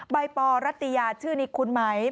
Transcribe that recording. ปอรัตยาชื่อนี้คุ้นไหม